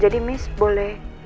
jadi miss boleh